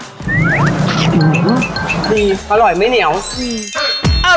อร่อยไม่เหงียว